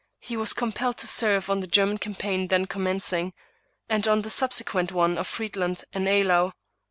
He was compelled to serve on the German campaigns then commencing, and on the subsequent one of Friedland and Eylau.